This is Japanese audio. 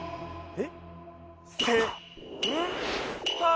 えっ？